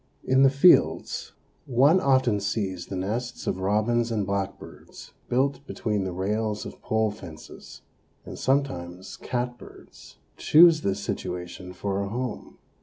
In the fields one often sees the nests of robins and blackbirds built between the rails of pole fences, and sometimes catbirds choose this situation for a home.